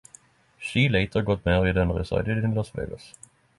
She later got married and resided in Las Vegas.